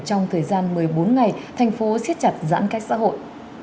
trong thời gian một mươi bốn ngày thành phố siết chặt giãn cách xã hội